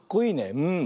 うん。